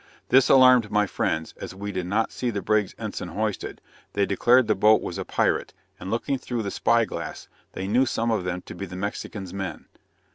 This alarmed my friends, and as we did not see the brig's ensign hoisted, they declared the boat was a pirate, and looking through the spy glass, they knew some of them to be the Mexican's men!